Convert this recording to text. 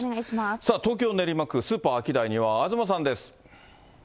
さあ、東京・練馬区、スーパーアキダイには東さんです。